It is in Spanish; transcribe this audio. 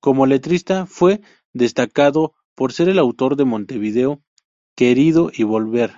Como letrista fue destacado por ser el autor de "Montevideo querido" y "Volver".